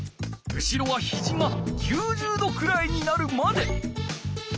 後ろはひじが９０度くらいになるまで。